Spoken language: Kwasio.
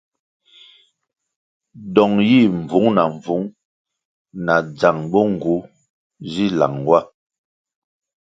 Dong yih mbvung na mbvung na dzang bo nğu si lang wa.